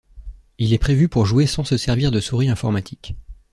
Il est prévu pour jouer sans se servir de souris informatique.